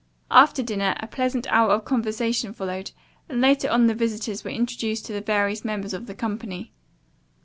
After dinner, a pleasant hour of conversation followed, and later on the visitors were introduced to the various members of the company.